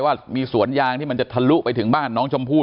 ว่ามีสวนยางที่มันจะทะลุไปถึงบ้านน้องชมพู่